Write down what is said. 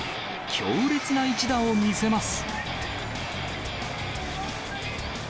強烈な一打を見せます。